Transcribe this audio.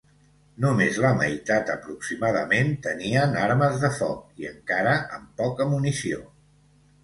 Només la meitat aproximadament tenien armes de foc i encara amb poca munició.